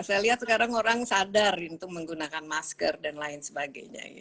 saya lihat sekarang orang sadar untuk menggunakan masker dan lain sebagainya